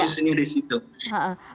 itu justru disitu